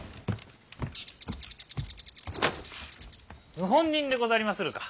謀反人でございまするか？